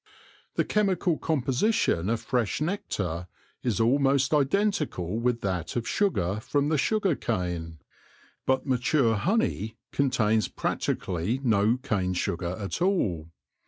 The chemical composition of fresh nectar is almost identical with that of sugar U2 THE LORE OF THE HONEY BEE from the sugar cane, but mature honey contains practically no cane sugar at all.